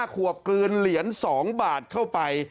๕ขวบเงินเหลียน๒บาทเข้าไป